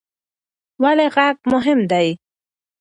ولې غږ مهم دی؟